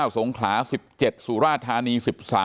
สงขลา๑๗สุราธานี๑๓